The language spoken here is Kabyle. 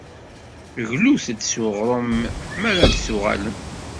Glut-d s uɣrum mi ara d-tuɣalem.